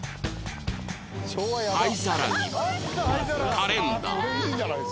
灰皿にもカレンダー